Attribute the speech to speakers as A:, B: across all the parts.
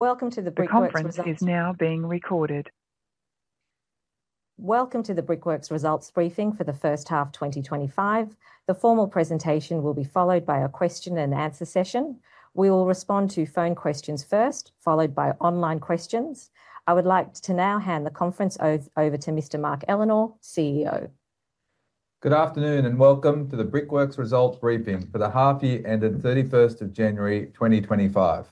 A: Welcome to Brickworks. The conference is now being recorded. Welcome to the Brickworks Results Briefing for the first half of 2025. The formal presentation will be followed by a question-and-answer session. We will respond to phone questions first, followed by online questions. I would like to now hand the conference over to Mr. Mark Ellenor, CEO.
B: Good afternoon and welcome to the Brickworks Results Briefing for the half-year ended 31st of January 2025.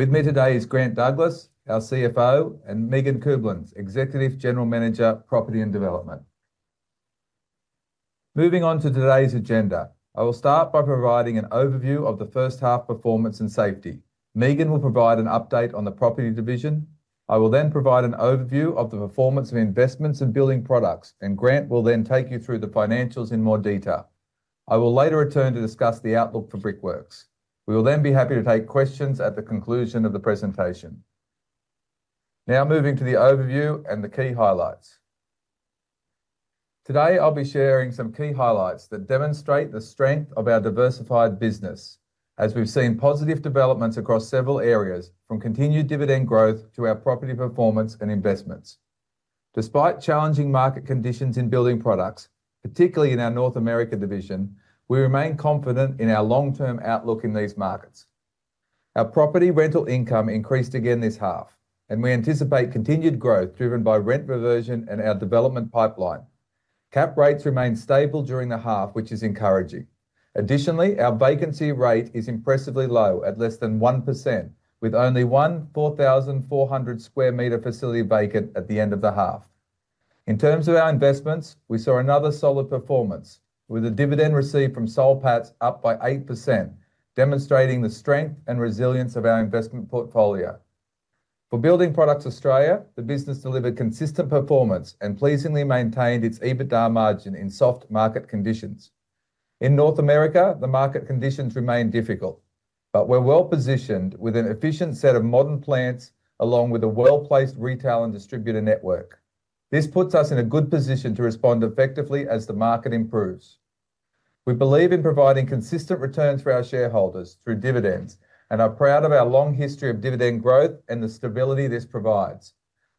B: With me today is Grant Douglas, our CFO, and Megan Kublins, Executive General Manager, Property and Development. Moving on to today's agenda, I will start by providing an overview of the first half performance and safety. Megan will provide an update on the Property Division. I will then provide an overview of the performance of investments and building products, and Grant will then take you through the financials in more detail. I will later return to discuss the outlook for Brickworks. We will then be happy to take questions at the conclusion of the presentation. Now moving to the overview and the key highlights. Today I'll be sharing some key highlights that demonstrate the strength of our diversified business, as we've seen positive developments across several areas, from continued dividend growth to our property performance and investments. Despite challenging market conditions in building products, particularly in our North America division, we remain confident in our long-term outlook in these markets. Our property rental income increased again this half, and we anticipate continued growth driven by rent reversion and our development pipeline. Cap rates remained stable during the half, which is encouraging. Additionally, our vacancy rate is impressively low at less than 1%, with only one 4,400 sq m facility vacant at the end of the half. In terms of our investments, we saw another solid performance, with a dividend received from Washington H. Soul Pattinson & Company Limited up by 8%, demonstrating the strength and resilience of our investment portfolio. For Building Products Australia, the business delivered consistent performance and pleasingly maintained its EBITDA margin in soft market conditions. In North America, the market conditions remain difficult, but we're well positioned with an efficient set of modern plants, along with a well-placed retail and distributor network. This puts us in a good position to respond effectively as the market improves. We believe in providing consistent returns for our shareholders through dividends and are proud of our long history of dividend growth and the stability this provides.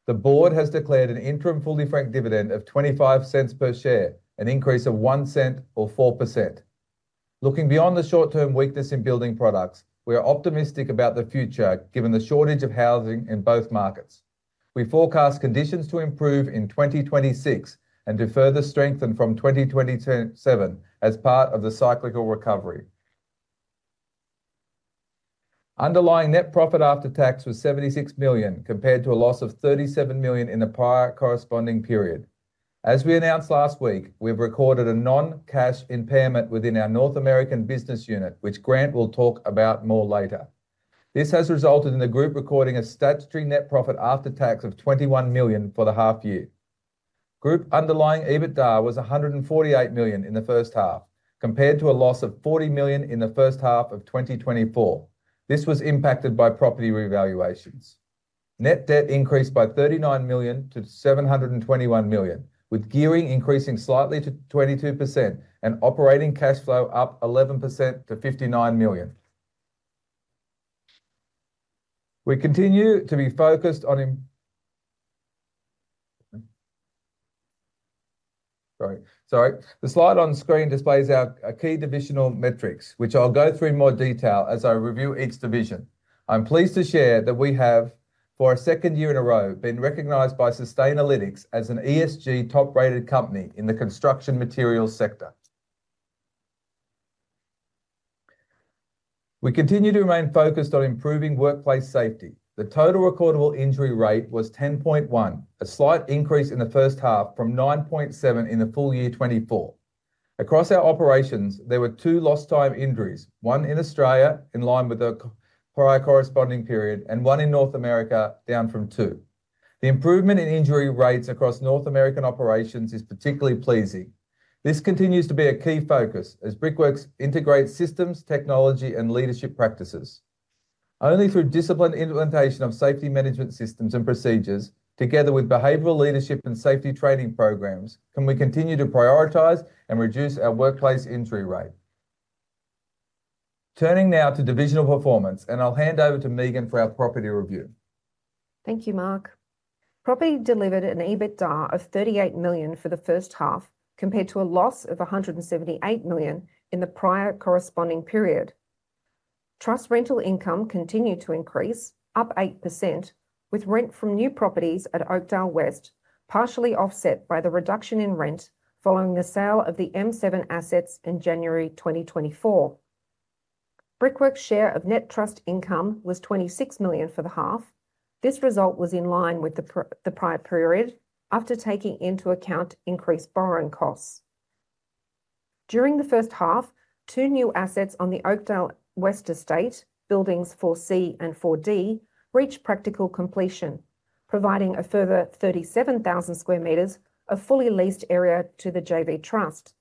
B: The board has declared an interim fully franked dividend of 0.25 per share, an increase of 1 cent or 4%. Looking beyond the short-term weakness in building products, we are optimistic about the future given the shortage of housing in both markets. We forecast conditions to improve in 2026 and to further strengthen from 2027 as part of the cyclical recovery. Underlying net profit after tax was 76 million, compared to a loss of 37 million in the prior corresponding period. As we announced last week, we have recorded a non-cash impairment within our North American business unit, which Grant will talk about more later. This has resulted in the group recording a statutory net profit after tax of 21 million for the half-year. Group underlying EBITDA was 148 million in the first half, compared to a loss of 40 million in the first half of 2024. This was impacted by property revaluations. Net debt increased by 39 million to 721 million, with gearing increasing slightly to 22% and operating cash flow up 11% to 59 million. We continue to be focused on. Sorry. Sorry. The slide on screen displays our key divisional metrics, which I'll go through in more detail as I review each division. I'm pleased to share that we have, for a second year in a row, been recognized by Sustainalytics as an ESG top-rated company in the construction materials sector. We continue to remain focused on improving workplace safety. The total recordable injury rate was 10.1, a slight increase in the first half from 9.7 in the full year 2024. Across our operations, there were two lost-time injuries, one in Australia in line with the prior corresponding period and one in North America, down from two. The improvement in injury rates across North American operations is particularly pleasing. This continues to be a key focus as Brickworks integrates systems, technology, and leadership practices. Only through disciplined implementation of safety management systems and procedures, together with behavioral leadership and safety training programs, can we continue to prioritize and reduce our workplace injury rate. Turning now to divisional performance, and I'll hand over to Megan for our property review.
C: Thank you, Mark. Property delivered an EBITDA of 38 million for the first half, compared to a loss of 178 million in the prior corresponding period. Trust rental income continued to increase, up 8%, with rent from new properties at Oakdale West partially offset by the reduction in rent following the sale of the M7 assets in January 2024. Brickworks' share of net trust income was 26 million for the half. This result was in line with the prior period after taking into account increased borrowing costs. During the first half, two new assets on the Oakdale West estate, buildings 4C and 4D, reached practical completion, providing a further 37,000 sq m of fully leased area to the JV Trust.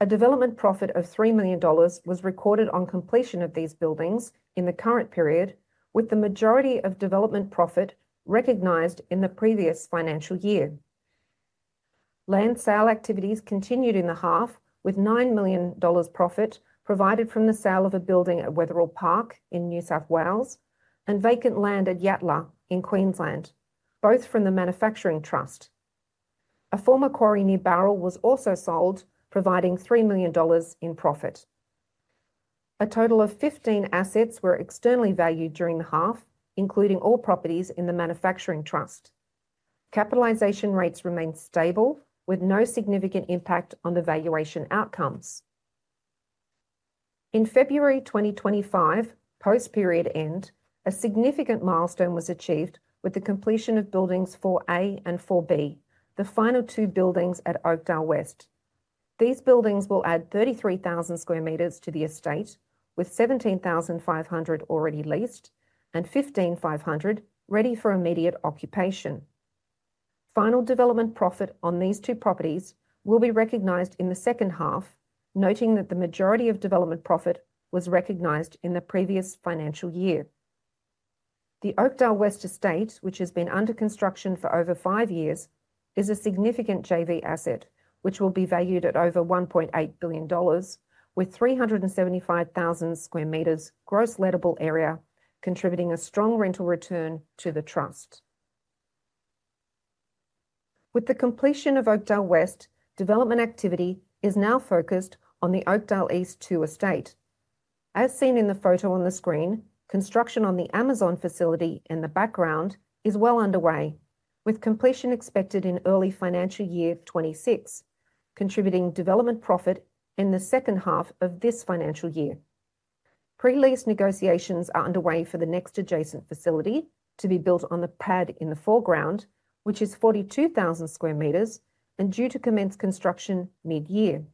C: A development profit of 3 million dollars was recorded on completion of these buildings in the current period, with the majority of development profit recognized in the previous financial year. Land sale activities continued in the half, with 9 million dollars profit provided from the sale of a building at Wetherill Park in New South Wales and vacant land at Yatala in Queensland, both from the Manufacturing Trust. A former quarry near Bowral was also sold, providing 3 million dollars in profit. A total of 15 assets were externally valued during the half, including all properties in the Manufacturing Trust. Capitalization rates remained stable, with no significant impact on the valuation outcomes. In February 2025, post-period end, a significant milestone was achieved with the completion of buildings 4A and 4B, the final two buildings at Oakdale West. These buildings will add 33,000 sq m to the estate, with 17,500 already leased and 15,500 ready for immediate occupation. Final development profit on these two properties will be recognized in the second half, noting that the majority of development profit was recognized in the previous financial year. The Oakdale West estate, which has been under construction for over five years, is a significant JV asset, which will be valued at over 1.8 billion dollars, with 375,000 square meters gross lettable area contributing a strong rental return to the Trust. With the completion of Oakdale West, development activity is now focused on the Oakdale East 2 estate. As seen in the photo on the screen, construction on the Amazon facility in the background is well underway, with completion expected in early financial year 2026, contributing development profit in the second half of this financial year. Pre-lease negotiations are underway for the next adjacent facility to be built on the pad in the foreground, which is 42,000 sq m and due to commence construction mid-year.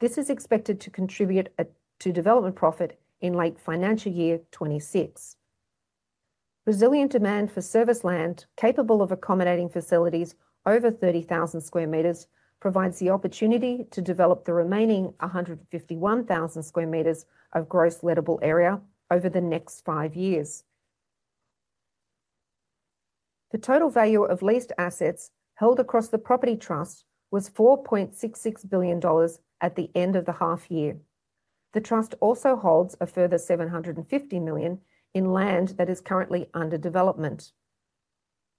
C: This is expected to contribute to development profit in late financial year 2026. Resilient demand for service land capable of accommodating facilities over 30,000 sq m provides the opportunity to develop the remaining 151,000 sq m of gross lettable area over the next five years. The total value of leased assets held across the Property Trust was 4.66 billion dollars at the end of the half-year. The Trust also holds a further 750 million in land that is currently under development.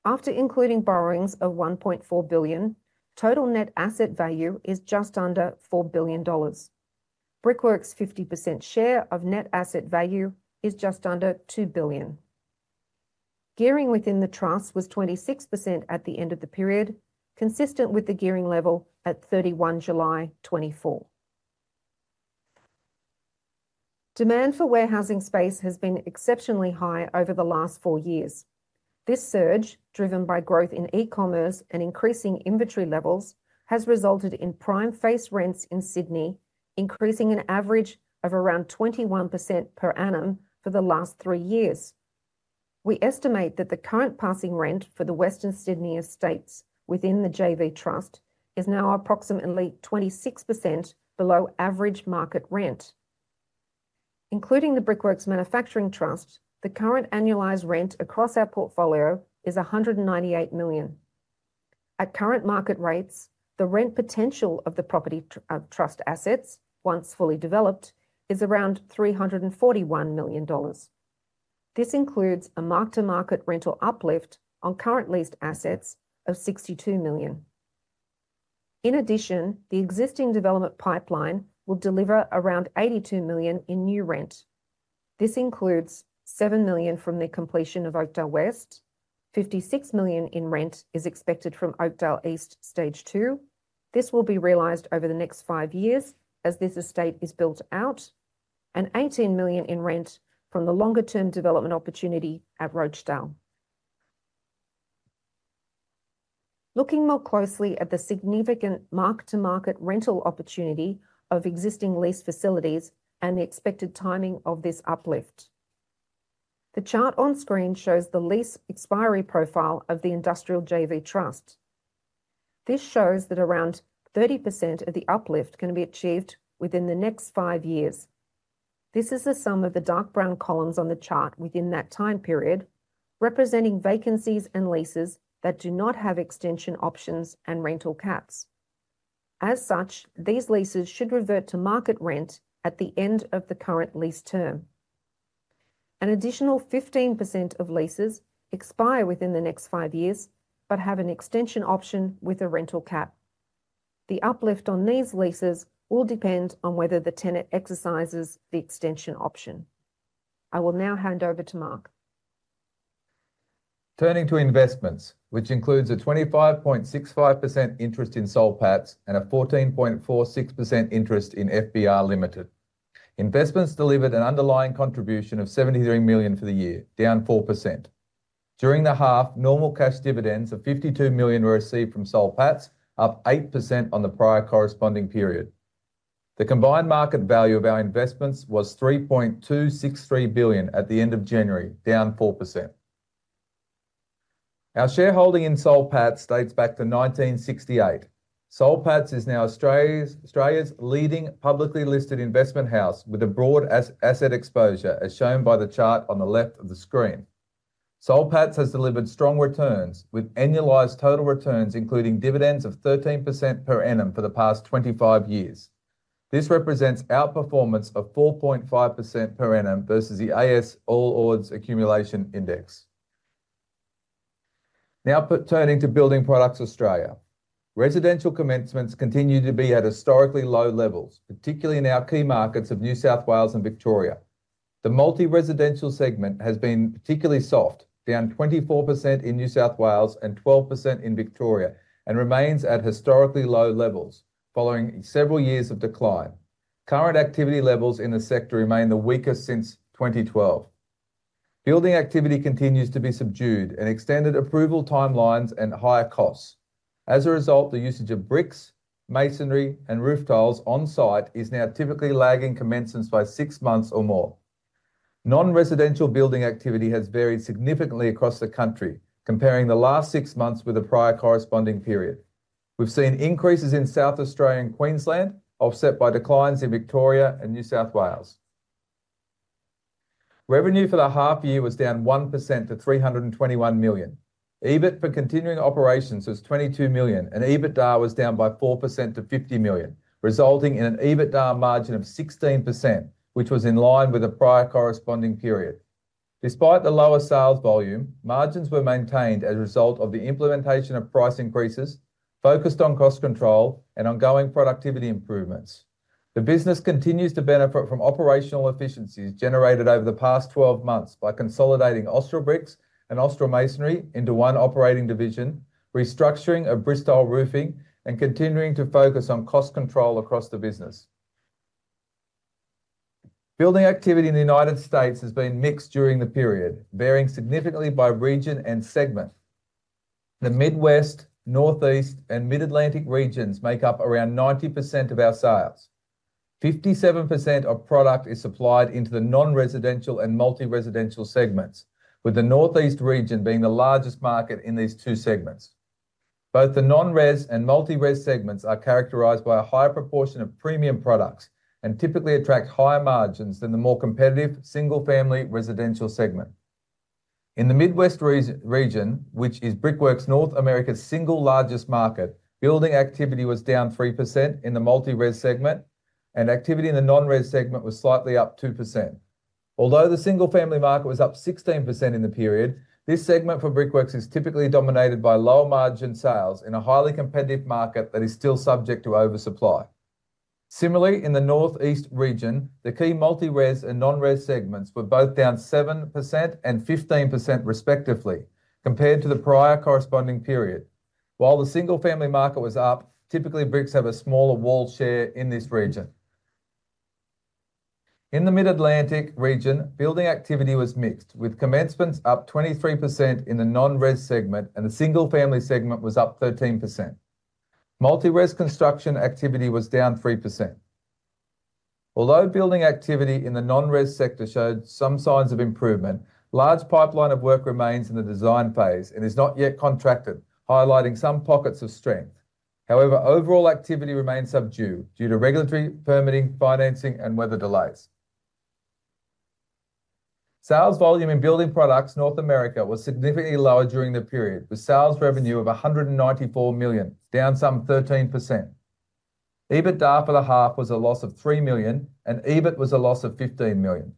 C: After including borrowings of 1.4 billion, total net asset value is just under 4 billion dollars. Brickworks' 50% share of net asset value is just under 2 billion. Gearing within the Trust was 26% at the end of the period, consistent with the gearing level at 31 July 2024. Demand for warehousing space has been exceptionally high over the last four years. This surge, driven by growth in e-commerce and increasing inventory levels, has resulted in prime face rents in Sydney increasing an average of around 21% per annum for the last three years. We estimate that the current passing rent for the Western Sydney estates within the JV Trust is now approximately 26% below average market rent. Including the Brickworks Manufacturing Trust, the current annualized rent across our portfolio is 198 million. At current market rates, the rent potential of the Property Trust assets, once fully developed, is around 341 million dollars. This includes a mark-to-market rental uplift on current leased assets of 62 million. In addition, the existing development pipeline will deliver around 82 million in new rent. This includes 7 million from the completion of Oakdale West, 56 million in rent is expected from Oakdale East Stage 2. This will be realized over the next five years as this estate is built out, and 18 million in rent from the longer-term development opportunity at Rochedale. Looking more closely at the significant mark-to-market rental opportunity of existing leased facilities and the expected timing of this uplift. The chart on screen shows the lease expiry profile of the Industrial JV Trust. This shows that around 30% of the uplift can be achieved within the next five years. This is the sum of the dark brown columns on the chart within that time period, representing vacancies and leases that do not have extension options and rental caps. As such, these leases should revert to market rent at the end of the current lease term. An additional 15% of leases expire within the next five years but have an extension option with a rental cap. The uplift on these leases will depend on whether the tenant exercises the extension option. I will now hand over to Mark.
B: Turning to investments, which includes a 25.65% interest in Washington H. Soul Pattinson and Company Limited and a 14.46% interest in Fastbrick Robotics Limited. Investments delivered an underlying contribution of 73 million for the year, down 4%. During the half, normal cash dividends of 52 million were received from Washington H. Soul Pattinson and Company Limited, up 8% on the prior corresponding period. The combined market value of our investments was 3.263 billion at the end of January, down 4%. Our shareholding in Washington H. Soul Pattinson and Company Limited dates back to 1968. Washington H. Soul Pattinson and Company Limited is now Australia's leading publicly listed investment house with a broad asset exposure, as shown by the chart on the left of the screen. Washington H. Soul Pattinson and Company Limited has delivered strong returns, with annualized total returns including dividends of 13% per annum for the past 25 years. This represents outperformance of 4.5% per annum versus the ASX All Ordinaries Accumulation Index. Now turning to Building Products Australia. Residential commencements continue to be at historically low levels, particularly in our key markets of New South Wales and Victoria. The multi-residential segment has been particularly soft, down 24% in New South Wales and 12% in Victoria, and remains at historically low levels following several years of decline. Current activity levels in the sector remain the weakest since 2012. Building activity continues to be subdued, with extended approval timelines and higher costs. As a result, the usage of bricks, masonry, and roof tiles on site is now typically lagging commencements by six months or more. Non-residential building activity has varied significantly across the country, comparing the last six months with the prior corresponding period. We've seen increases in South Australia and Queensland, offset by declines in Victoria and New South Wales. Revenue for the half-year was down 1% to 321 million. EBIT for continuing operations was $22 million, and EBITDA was down by 4% to $50 million, resulting in an EBITDA margin of 16%, which was in line with the prior corresponding period. Despite the lower sales volume, margins were maintained as a result of the implementation of price increases, focused on cost control, and ongoing productivity improvements. The business continues to benefit from operational efficiencies generated over the past 12 months by consolidating Austral Bricks and Austral Masonry into one operating division, restructuring of Bristile Roofing, and continuing to focus on cost control across the business. Building activity in the United States has been mixed during the period, varying significantly by region and segment. The Midwest, Northeast, and Mid-Atlantic regions make up around 90% of our sales. 57% of product is supplied into the non-residential and multi-residential segments, with the Northeast region being the largest market in these two segments. Both the non-res and multi-res segments are characterized by a higher proportion of premium products and typically attract higher margins than the more competitive single-family residential segment. In the Midwest region, which is Brickworks North America's single largest market, building activity was down 3% in the multi-res segment, and activity in the non-res segment was slightly up 2%. Although the single-family market was up 16% in the period, this segment for Brickworks is typically dominated by low-margin sales in a highly competitive market that is still subject to oversupply. Similarly, in the Northeast region, the key multi-res and non-res segments were both down 7% and 15% respectively, compared to the prior corresponding period. While the single-family market was up, typically bricks have a smaller wall share in this region. In the Mid-Atlantic region, building activity was mixed, with commencements up 23% in the non-res segment and the single-family segment was up 13%. Multi-res construction activity was down 3%. Although building activity in the non-res sector showed some signs of improvement, large pipeline of work remains in the design phase and is not yet contracted, highlighting some pockets of strength. However, overall activity remained subdued due to regulatory, permitting, financing, and weather delays. Sales volume in Building Products North America was significantly lower during the period, with sales revenue of 194 million, down some 13%. EBITDA for the half was a loss of 3 million, and EBIT was a loss of 15 million.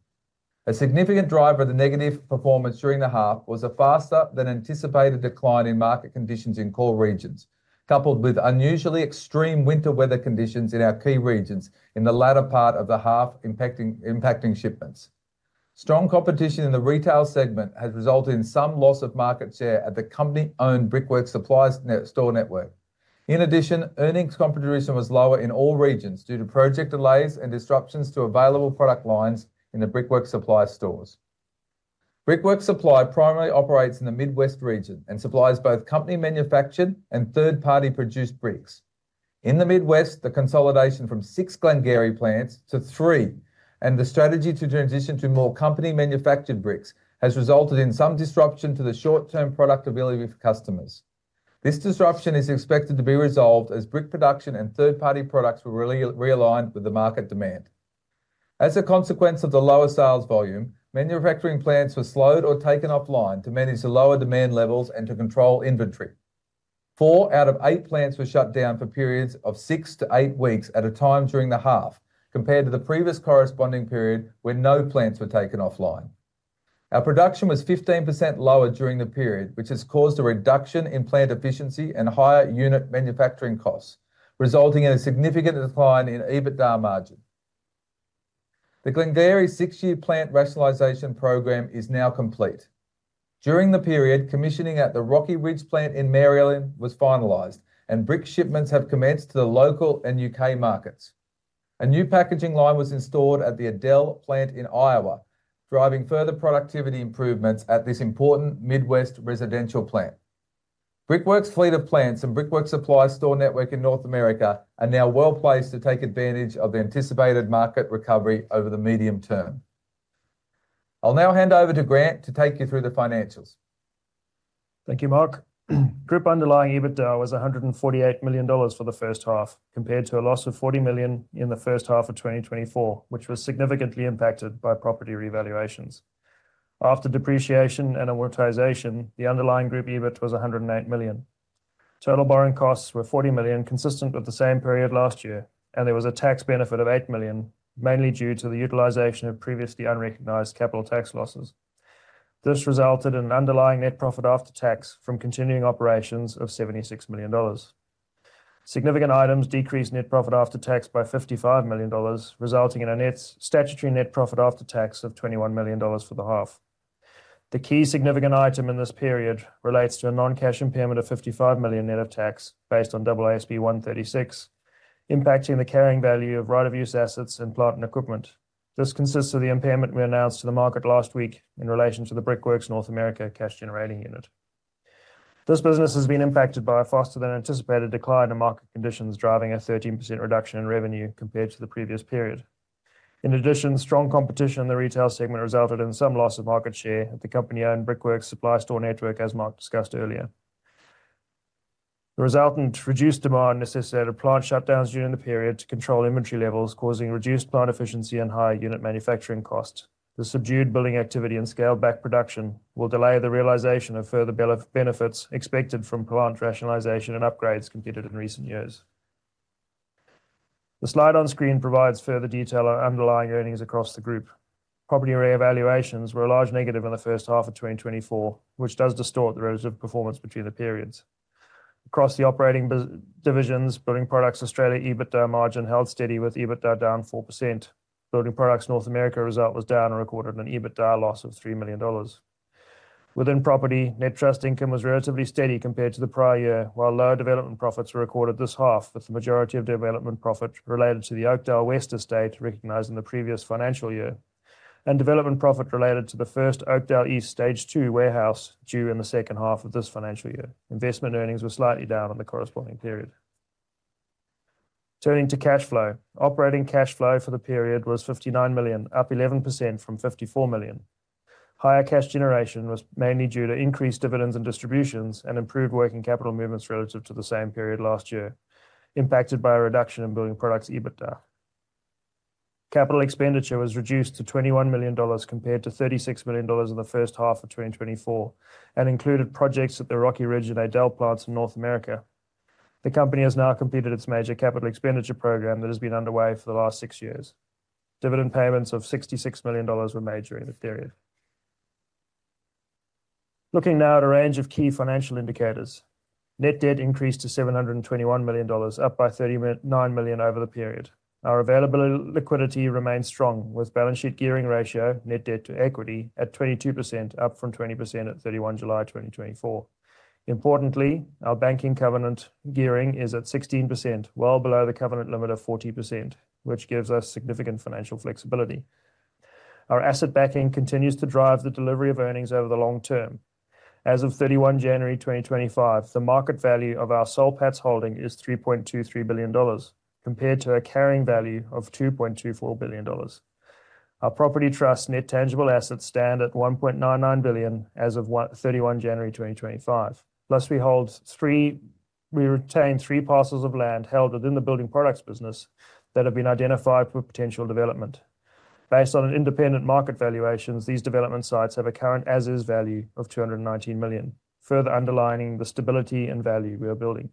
B: A significant driver of the negative performance during the half was a faster-than-anticipated decline in market conditions in core regions, coupled with unusually extreme winter weather conditions in our key regions in the latter part of the half impacting shipments. Strong competition in the retail segment has resulted in some loss of market share at the company-owned Brickworks Supply Store network. In addition, earnings competition was lower in all regions due to project delays and disruptions to available product lines in the Brickworks Supply Stores. Brickworks Supply primarily operates in the Midwest region and supplies both company-manufactured and third-party-produced bricks. In the Midwest, the consolidation from six Glen-Gery plants to three and the strategy to transition to more company-manufactured bricks has resulted in some disruption to the short-term productivity for customers. This disruption is expected to be resolved as brick production and third-party products were realigned with the market demand. As a consequence of the lower sales volume, manufacturing plants were slowed or taken offline to manage the lower demand levels and to control inventory. Four out of eight plants were shut down for periods of six to eight weeks at a time during the half, compared to the previous corresponding period when no plants were taken offline. Our production was 15% lower during the period, which has caused a reduction in plant efficiency and higher unit manufacturing costs, resulting in a significant decline in EBITDA margin. The Glen-Gery six-year plant rationalization program is now complete. During the period, commissioning at the Rocky Ridge plant in Maryland was finalized, and brick shipments have commenced to the local and U.K. markets. A new packaging line was installed at the Adel plant in Iowa, driving further productivity improvements at this important Midwest residential plant. Brickworks fleet of plants and Brickworks Supply Store network in North America are now well placed to take advantage of the anticipated market recovery over the medium term. I'll now hand over to Grant to take you through the financials.
D: Thank you, Mark. Group underlying EBITDA was 148 million dollars for the first half, compared to a loss of 40 million in the first half of 2024, which was significantly impacted by property revaluations. After depreciation and amortization, the underlying group EBIT was 108 million. Total borrowing costs were 40 million, consistent with the same period last year, and there was a tax benefit of 8 million, mainly due to the utilization of previously unrecognized capital tax losses. This resulted in an underlying net profit after tax from continuing operations of 76 million dollars. Significant items decreased net profit after tax by 55 million dollars, resulting in a statutory net profit after tax of 21 million dollars for the half. The key significant item in this period relates to a non-cash impairment of 55 million net of tax based on AASB 136, impacting the carrying value of right-of-use assets and plant and equipment. This consists of the impairment we announced to the market last week in relation to the Brickworks North America cash-generating unit. This business has been impacted by a faster-than-anticipated decline in market conditions, driving a 13% reduction in revenue compared to the previous period. In addition, strong competition in the retail segment resulted in some loss of market share at the company-owned Brickworks Supply Store network, as Mark discussed earlier. The resultant reduced demand necessitated plant shutdowns during the period to control inventory levels, causing reduced plant efficiency and higher unit manufacturing costs. The subdued building activity and scaled-back production will delay the realization of further benefits expected from plant rationalization and upgrades completed in recent years. The slide on screen provides further detail on underlying earnings across the group. Property revaluations were a large negative in the first half of 2024, which does distort the relative performance between the periods. Across the operating divisions, Building Products Australia EBITDA margin held steady with EBITDA down 4%. Building Products North America result was down and recorded an EBITDA loss of $3 million. Within property, net trust income was relatively steady compared to the prior year, while low development profits were recorded this half, with the majority of development profit related to the Oakdale West estate recognized in the previous financial year, and development profit related to the first Oakdale East Stage 2 warehouse due in the second half of this financial year. Investment earnings were slightly down in the corresponding period. Turning to cash flow, operating cash flow for the period was 59 million, up 11% from 54 million. Higher cash generation was mainly due to increased dividends and distributions and improved working capital movements relative to the same period last year, impacted by a reduction in Building Products EBITDA. Capital expenditure was reduced to 21 million dollars compared to 36 million dollars in the first half of 2024 and included projects at the Rocky Ridge and Adel plants in North America. The company has now completed its major capital expenditure program that has been underway for the last six years. Dividend payments of 66 million dollars were made during the period. Looking now at a range of key financial indicators, net debt increased to 721 million dollars, up by 39 million over the period. Our available liquidity remained strong, with balance sheet gearing ratio, net debt to equity at 22%, up from 20% at 31 July 2024. Importantly, our banking covenant gearing is at 16%, well below the covenant limit of 40%, which gives us significant financial flexibility. Our asset backing continues to drive the delivery of earnings over the long term. As of 31 January 2025, the market value of our Soul Pattinson holding is 3.23 billion dollars, compared to a carrying value of 2.24 billion dollars. Our property trust net tangible assets stand at 1.99 billion as of 31 January 2025. Plus, we retain three parcels of land held within the building products business that have been identified for potential development. Based on independent market valuations, these development sites have a current as-is value of 219 million, further underlining the stability and value we are building.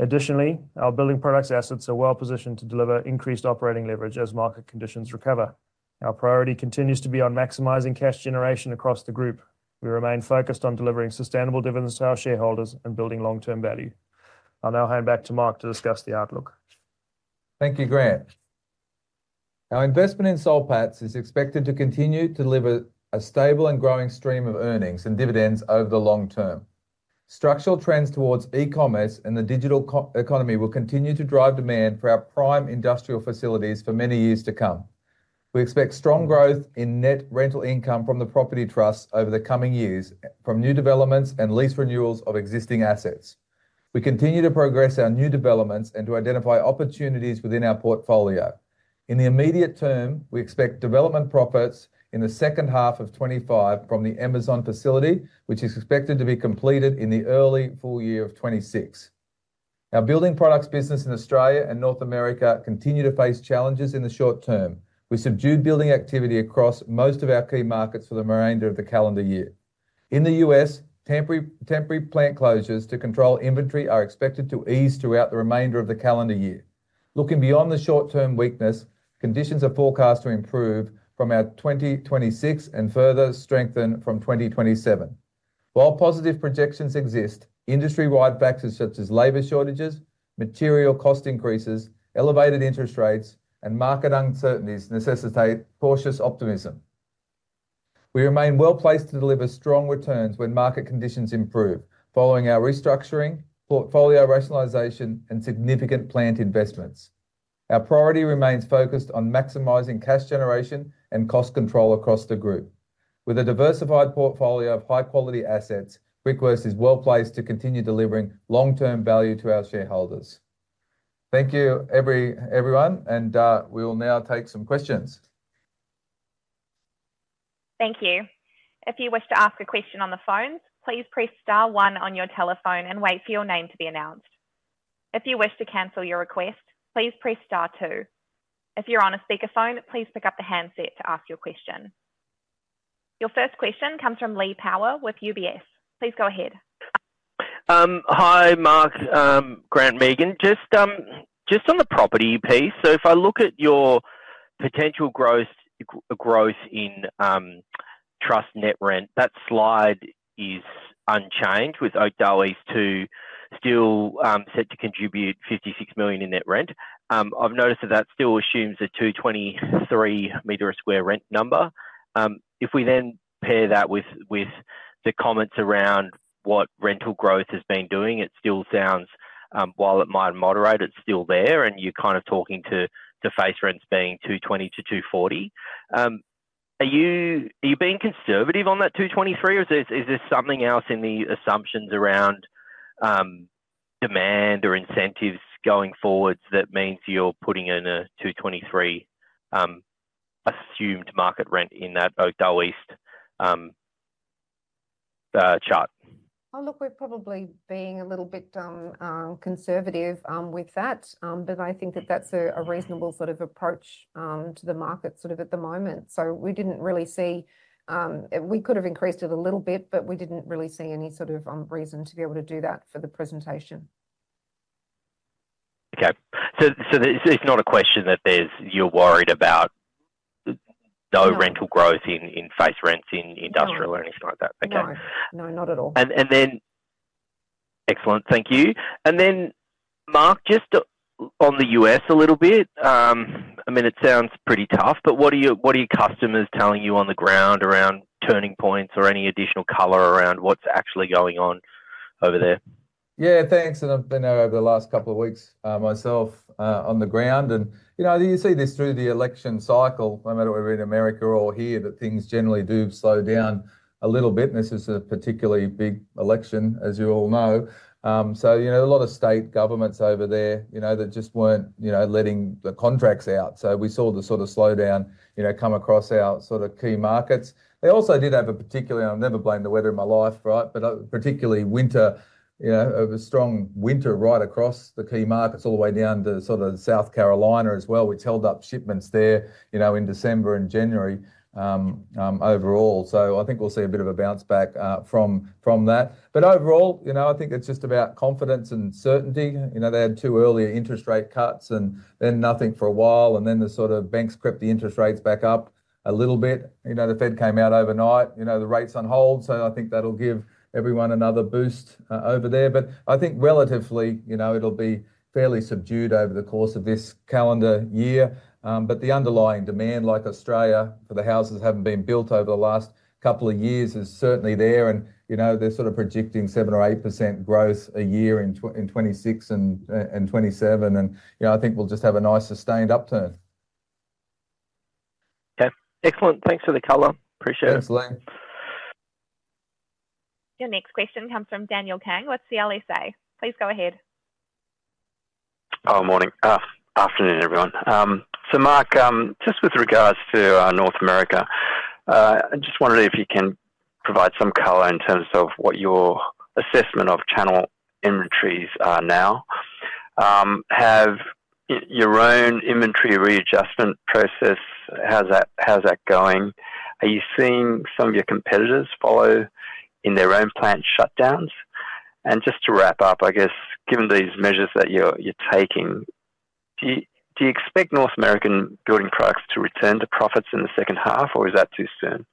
D: Additionally, our building products assets are well positioned to deliver increased operating leverage as market conditions recover. Our priority continues to be on maximizing cash generation across the group. We remain focused on delivering sustainable dividends to our shareholders and building long-term value. I'll now hand back to Mark to discuss the outlook.
B: Thank you, Grant. Our investment in Soul Pattinson is expected to continue to deliver a stable and growing stream of earnings and dividends over the long term. Structural trends towards e-commerce and the digital economy will continue to drive demand for our prime industrial facilities for many years to come. We expect strong growth in net rental income from the property trusts over the coming years from new developments and lease renewals of existing assets. We continue to progress our new developments and to identify opportunities within our portfolio. In the immediate term, we expect development profits in the second half of 2025 from the Amazon facility, which is expected to be completed in the early full year of 2026. Our building products business in Australia and North America continue to face challenges in the short term. We subdued building activity across most of our key markets for the remainder of the calendar year. In the U.S., temporary plant closures to control inventory are expected to ease throughout the remainder of the calendar year. Looking beyond the short-term weakness, conditions are forecast to improve from 2026 and further strengthen from 2027. While positive projections exist, industry-wide factors such as labor shortages, material cost increases, elevated interest rates, and market uncertainties necessitate cautious optimism. We remain well placed to deliver strong returns when market conditions improve, following our restructuring, portfolio rationalization, and significant plant investments. Our priority remains focused on maximizing cash generation and cost control across the group. With a diversified portfolio of high-quality assets, Brickworks is well placed to continue delivering long-term value to our shareholders. Thank you, everyone, and we will now take some questions.
A: Thank you. If you wish to ask a question on the phone, please press star one on your telephone and wait for your name to be announced. If you wish to cancel your request, please press star two. If you're on a speakerphone, please pick up the handset to ask your question. Your first question comes from Lee Power with UBS. Please go ahead.
E: Hi, Mark. Grant, Megan. Just on the property piece, if I look at your potential growth in trust net rent, that slide is unchanged with Oakdale East still set to contribute 56 million in net rent. I've noticed that still assumes a 223 sq m rent number. If we then pair that with the comments around what rental growth has been doing, it still sounds, while it might moderate, it's still there, and you're kind of talking to face rents being 220-240. Are you being conservative on that 223, or is there something else in the assumptions around demand or incentives going forwards that means you're putting in a 223 assumed market rent in that Oakdale East chart?
C: I’ll look at probably being a little bit conservative with that, but I think that that’s a reasonable sort of approach to the market sort of at the moment. We didn’t really see we could have increased it a little bit, but we didn’t really see any sort of reason to be able to do that for the presentation.
E: Okay. So it's not a question that you're worried about no rental growth in face rents in industrial or anything like that?
C: No. No, not at all.
E: Excellent. Thank you. Mark, just on the US a little bit. I mean, it sounds pretty tough, but what are your customers telling you on the ground around turning points or any additional color around what's actually going on over there?
B: Yeah, thanks. I've been over the last couple of weeks myself on the ground. You see this through the election cycle, no matter where we are in America or here, that things generally do slow down a little bit. This is a particularly big election, as you all know. A lot of state governments over there just were not letting the contracts out. We saw the sort of slowdown come across our key markets. They also did have a particular—and I'll never blame the weather in my life, right?—but particularly winter, a strong winter right across the key markets, all the way down to South Carolina as well, which held up shipments there in December and January overall. I think we'll see a bit of a bounce back from that. Overall, I think it's just about confidence and certainty. They had two earlier interest rate cuts and then nothing for a while, and then the sort of banks crept the interest rates back up a little bit. The Fed came out overnight, the rates on hold, so I think that'll give everyone another boost over there. I think relatively it'll be fairly subdued over the course of this calendar year. The underlying demand, like Australia, for the houses that haven't been built over the last couple of years is certainly there, and they're sort of projecting 7% or 8% growth a year in 2026 and 2027, and I think we'll just have a nice sustained upturn.
E: Okay. Excellent. Thanks for the color. Appreciate it.
B: Thanks, Lee.
A: Your next question comes from Daniel Kang with CLSA. Please go ahead.
F: Morning. Afternoon, everyone. Mark, just with regards to North America, I just wondered if you can provide some color in terms of what your assessment of channel inventories are now. Have your own inventory readjustment process—how's that going? Are you seeing some of your competitors follow in their own plant shutdowns? Just to wrap up, I guess, given these measures that you're taking, do you expect North American building products to return to profits in the second half, or is that too soon?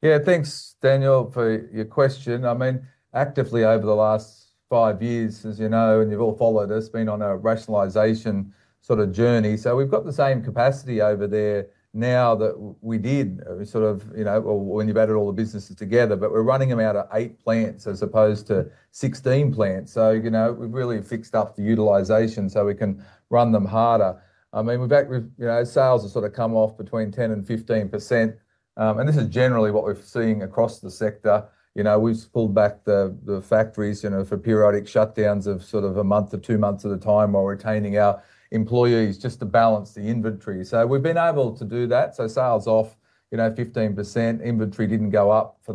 B: Yeah, thanks, Daniel, for your question. I mean, actively over the last five years, as you know, and you've all followed us, been on a rationalization sort of journey. We've got the same capacity over there now that we did sort of when you batted all the businesses together, but we're running them out of eight plants as opposed to 16 plants. We've really fixed up the utilization so we can run them harder. I mean, sales have sort of come off between 10-15%, and this is generally what we're seeing across the sector. We've pulled back the factories for periodic shutdowns of sort of a month or two months at a time while retaining our employees just to balance the inventory. We've been able to do that. So sales off 15%. Inventory did not go up for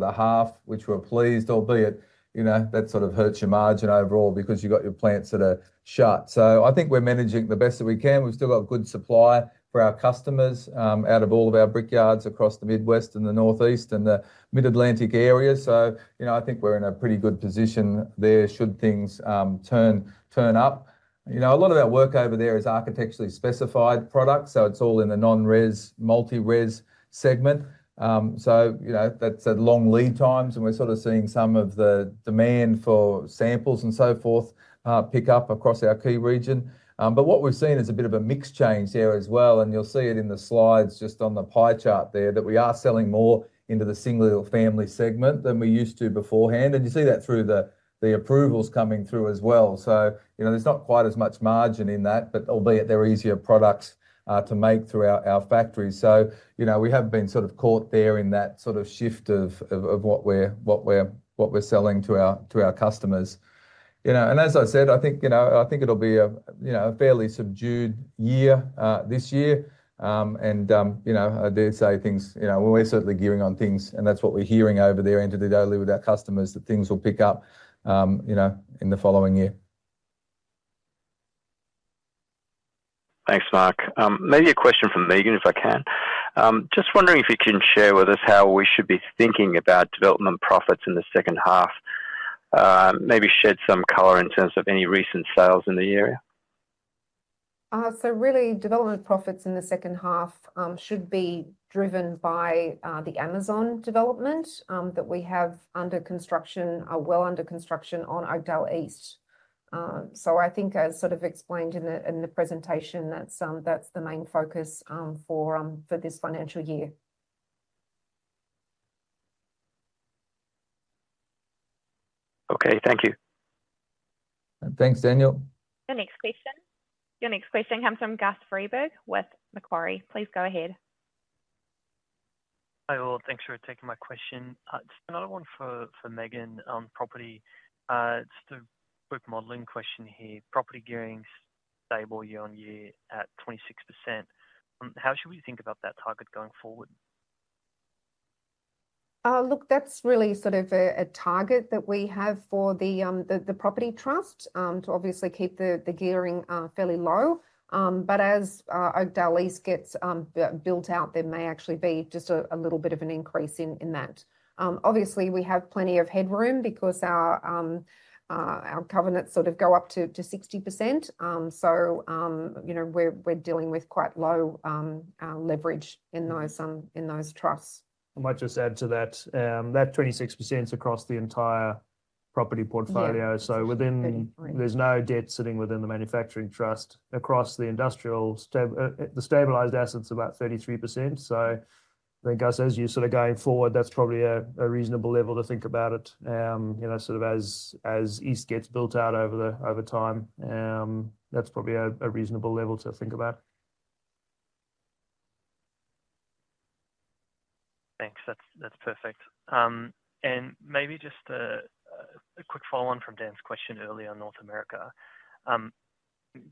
B: the half, which we are pleased, albeit that sort of hurts your margin overall because you have got your plants that are shut. I think we are managing the best that we can. We have still got good supply for our customers out of all of our brickyards across the Midwest and the Northeast and the Mid-Atlantic area. I think we are in a pretty good position there should things turn up. A lot of our work over there is architecturally specified products, so it is all in the non-res, multi-res segment. That has had long lead times, and we are sort of seeing some of the demand for samples and so forth pick up across our key region. What we've seen is a bit of a mixed change there as well, and you'll see it in the slides just on the pie chart there that we are selling more into the single-family segment than we used to beforehand. You see that through the approvals coming through as well. There's not quite as much margin in that, albeit they're easier products to make throughout our factories. We have been sort of caught there in that sort of shift of what we're selling to our customers. As I said, I think it'll be a fairly subdued year this year. I dare say things, we're certainly gearing on things, and that's what we're hearing over there end of the day with our customers, that things will pick up in the following year.
F: Thanks, Mark. Maybe a question for Megan if I can. Just wondering if you can share with us how we should be thinking about development profits in the second half, maybe shed some color in terms of any recent sales in the area.
C: Really, development profits in the second half should be driven by the Amazon development that we have under construction, well under construction on Oakdale East. I think, as sort of explained in the presentation, that's the main focus for this financial year.
F: Okay. Thank you.
B: Thanks, Daniel.
A: Your next question. Your next question comes from Guus Vreeburg with Macquarie. Please go ahead.
G: Hi all. Thanks for taking my question. It's another one for Megan on property. It's the brick modeling question here. Property gearing's stable year on year at 26%. How should we think about that target going forward?
C: Look, that's really sort of a target that we have for the property trust to obviously keep the gearing fairly low. As Oakdale East gets built out, there may actually be just a little bit of an increase in that. Obviously, we have plenty of headroom because our covenants sort of go up to 60%. We are dealing with quite low leverage in those trusts.
D: I might just add to that. That 26% is across the entire property portfolio. There is no debt sitting within the manufacturing trust. Across the industrial, the stabilized assets are about 33%. I think, as you are sort of going forward, that is probably a reasonable level to think about it. As East gets built out over time, that is probably a reasonable level to think about.
G: Thanks. That's perfect. Maybe just a quick follow-on from Dan's question earlier on North America.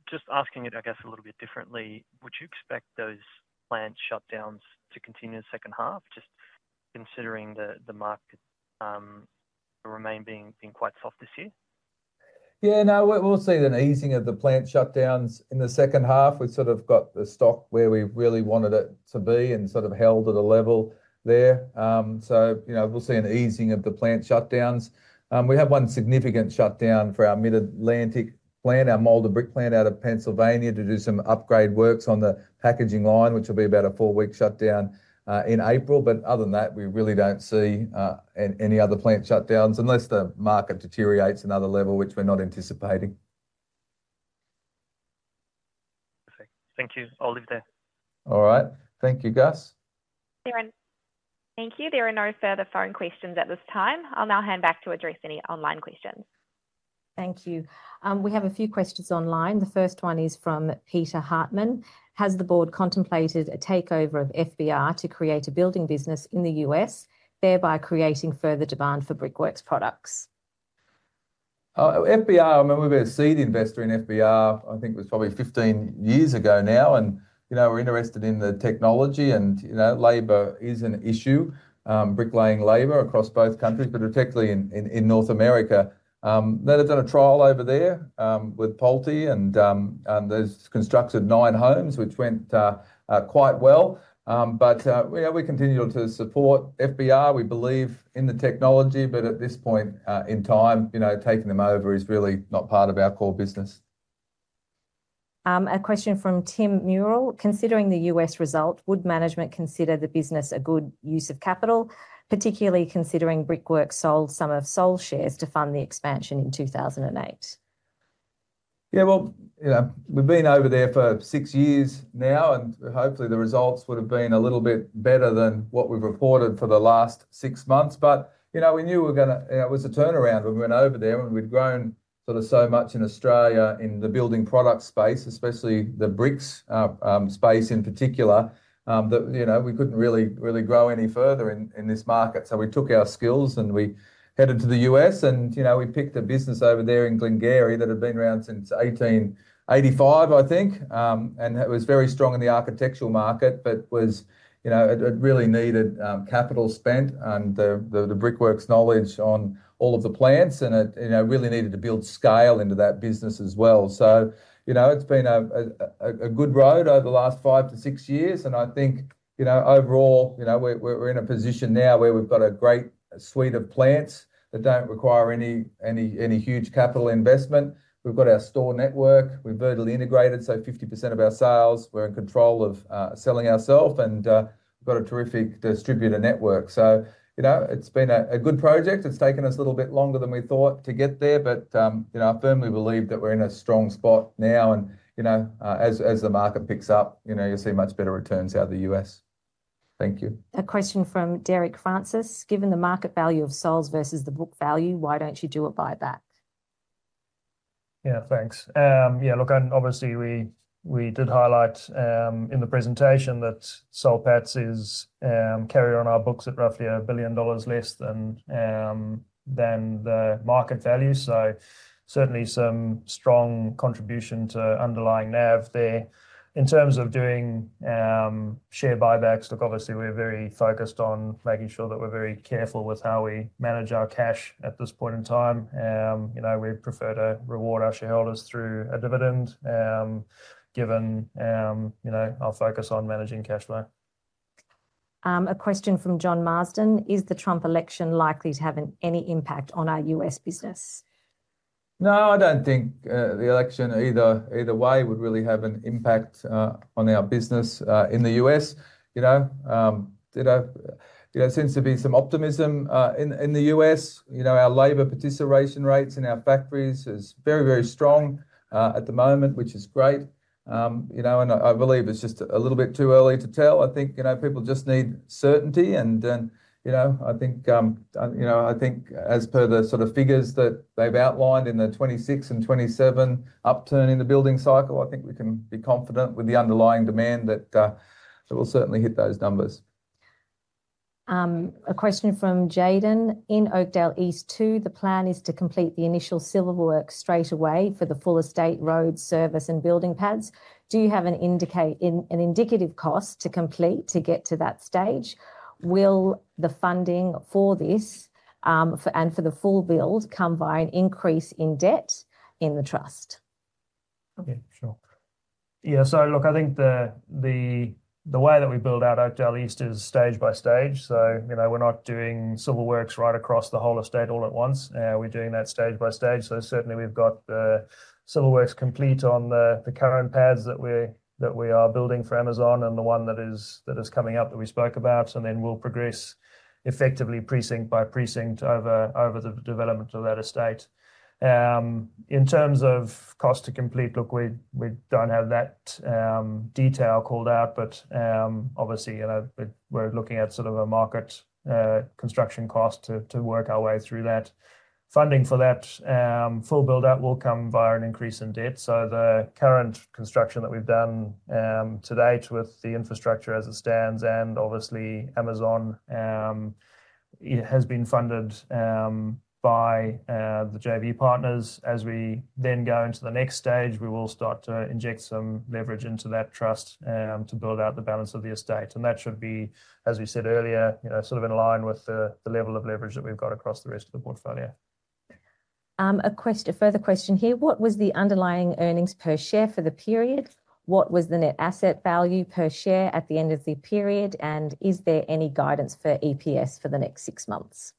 G: Just asking it, I guess, a little bit differently, would you expect those plant shutdowns to continue in the second half, just considering the market remained being quite soft this year?
B: Yeah. No, we'll see an easing of the plant shutdowns in the second half. We've sort of got the stock where we really wanted it to be and sort of held at a level there. We'll see an easing of the plant shutdowns. We have one significant shutdown for our Mid-Atlantic plant, our molded brick plant out of Pennsylvania, to do some upgrade works on the packaging line, which will be about a four-week shutdown in April. Other than that, we really don't see any other plant shutdowns unless the market deteriorates another level, which we're not anticipating.
G: Okay. Thank you. I'll leave it there.
B: All right. Thank you, Guus.
A: Thank you. There are no further phone questions at this time. I'll now hand back to address any online questions.
C: Thank you. We have a few questions online. The first one is from Peter Hartman. Has the board contemplated a takeover of FBR to create a building business in the US, thereby creating further demand for Brickworks products?
B: FBR, I mean, we've been a seed investor in FBR, I think it was probably 15 years ago now, and we're interested in the technology, and labor is an issue, bricklaying labor across both countries, particularly in North America. They've done a trial over there with PulteGroup, and they've constructed nine homes, which went quite well. We continue to support FBR. We believe in the technology, but at this point in time, taking them over is really not part of our core business.
C: A question from Tim Murrell. Considering the US result, would management consider the business a good use of capital, particularly considering Brickworks sold some of Soul Pattinson's shares to fund the expansion in 2008?
B: Yeah. We've been over there for six years now, and hopefully the results would have been a little bit better than what we've reported for the last six months. We knew it was a turnaround when we went over there, and we'd grown sort of so much in Australia in the building product space, especially the bricks space in particular, that we couldn't really grow any further in this market. We took our skills and we headed to the US, and we picked a business over there in Glen-Gery that had been around since 1885, I think, and it was very strong in the architectural market, but it really needed capital spent and the Brickworks knowledge on all of the plants, and it really needed to build scale into that business as well. It has been a good road over the last five to six years, and I think overall we're in a position now where we've got a great suite of plants that do not require any huge capital investment. We've got our store network. We're vertically integrated, so 50% of our sales, we're in control of selling ourself, and we've got a terrific distributor network. It has been a good project. It has taken us a little bit longer than we thought to get there, but I firmly believe that we're in a strong spot now, and as the market picks up, you'll see much better returns out of the US. Thank you.
C: A question from Derek Francis. Given the market value of Soul Pattinson versus the book value, why don't you do it by that?
D: Yeah, thanks. Yeah, look, obviously we did highlight in the presentation that Soul Pats is carrying on our books at roughly 1 billion dollars less than the market value. Certainly some strong contribution to underlying NAV there. In terms of doing share buybacks, look, obviously we're very focused on making sure that we're very careful with how we manage our cash at this point in time. We prefer to reward our shareholders through a dividend given our focus on managing cash flow.
C: A question from John Marsden. Is the Trump election likely to have any impact on our US business?
B: No, I don't think the election either way would really have an impact on our business in the US. There seems to be some optimism in the US. Our labor participation rates in our factories are very, very strong at the moment, which is great. I believe it's just a little bit too early to tell. I think people just need certainty, and I think as per the sort of figures that they've outlined in the 2026 and 2027 upturn in the building cycle, I think we can be confident with the underlying demand that we'll certainly hit those numbers.
C: A question from Jayden. In Oakdale East 2, the plan is to complete the initial civil work straight away for the full estate road service and building pads. Do you have an indicative cost to complete to get to that stage? Will the funding for this and for the full build come via an increase in debt in the trust?
D: Okay. Sure. Yeah. Look, I think the way that we build out Oakdale East is stage by stage. We are not doing civil works right across the whole estate all at once. We are doing that stage by stage. Certainly, we have the civil works complete on the current pads that we are building for Amazon and the one that is coming up that we spoke about, and then we will progress effectively precinct by precinct over the development of that estate. In terms of cost to complete, we do not have that detail called out, but obviously we are looking at sort of a market construction cost to work our way through that. Funding for that full build-out will come via an increase in debt. The current construction that we have done to date with the infrastructure as it stands and obviously Amazon has been funded by the JV partners. As we then go into the next stage, we will start to inject some leverage into that trust to build out the balance of the estate. That should be, as we said earlier, sort of in line with the level of leverage that we've got across the rest of the portfolio.
C: A further question here. What was the underlying earnings per share for the period? What was the net asset value per share at the end of the period? Is there any guidance for EPS for the next six months?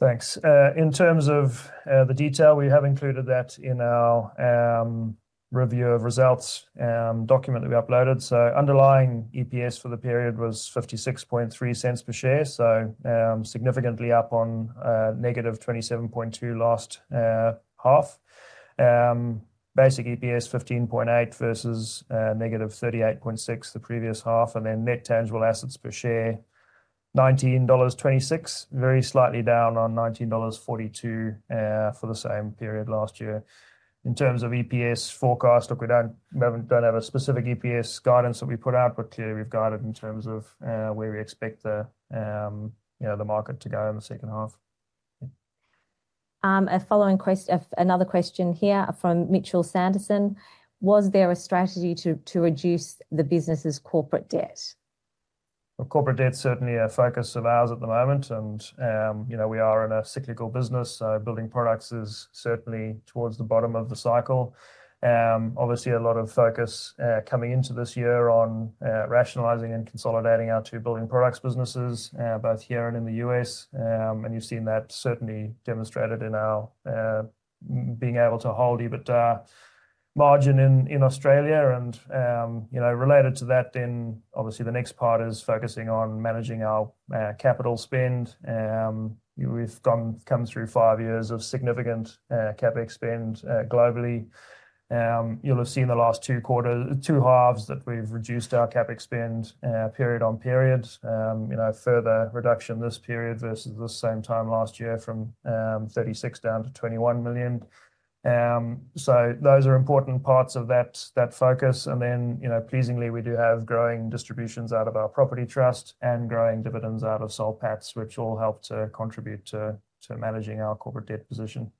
D: Thanks. In terms of the detail, we have included that in our review of results document that we uploaded. Underlying EPS for the period was 0.563 per share, significantly up on negative 0.272 last half. Basic EPS 0.158 versus negative 0.386 the previous half. Net tangible assets per share, 19.26 dollars, very slightly down on 19.42 dollars for the same period last year. In terms of EPS forecast, look, we do not have a specific EPS guidance that we put out, but clearly we have guided in terms of where we expect the market to go in the second half.
C: A follow-on question, another question here from Mitchell Sanderson. Was there a strategy to reduce the business's corporate debt?
D: Corporate debt's certainly a focus of ours at the moment, and we are in a cyclical business, so building products is certainly towards the bottom of the cycle. Obviously, a lot of focus coming into this year on rationalising and consolidating our two building products businesses, both here and in the US. You have seen that certainly demonstrated in our being able to hold a bit of margin in Australia. Related to that, then obviously the next part is focusing on managing our capital spend. We have come through five years of significant CapEx spend globally. You will have seen the last two halves that we have reduced our CapEx spend period on period, further reduction this period versus the same time last year from 36 million down to 21 million. Those are important parts of that focus. Pleasingly, we do have growing distributions out of our property trust and growing dividends out of Soul Pats, which all help to contribute to managing our corporate debt position.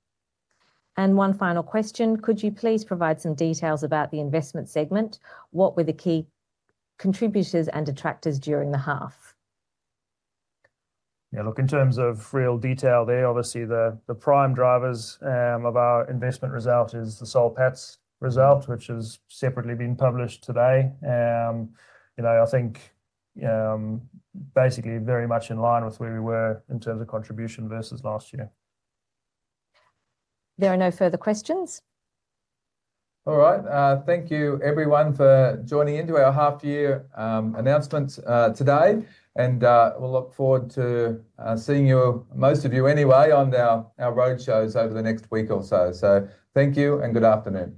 C: One final question. Could you please provide some details about the investment segment? What were the key contributors and detractors during the half?
D: Yeah. Look, in terms of real detail there, obviously the prime drivers of our investment result is the Soul Pats result, which has separately been published today. I think basically very much in line with where we were in terms of contribution versus last year.
C: There are no further questions.
B: All right. Thank you, everyone, for joining into our half-year announcements today. We will look forward to seeing most of you anyway on our roadshows over the next week or so. Thank you and good afternoon.